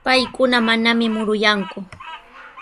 Paykuna manami muruyanku.